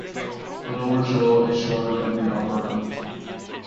The lower jaw is shorter than the upper.